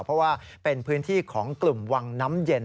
เพราะว่าเป็นพื้นที่ของกลุ่มวังน้ำเย็น